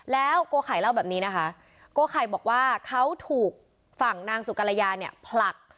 แล้วโกไข่เล่าแบบนี้นะคะโกไข่บอกว่าเขาถูกฝั่งนางสุกรยาเนี่ยผลัก